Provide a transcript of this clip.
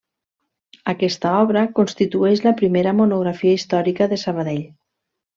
Aquesta obra constitueix la primera monografia històrica de Sabadell.